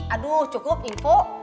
aduh cukup info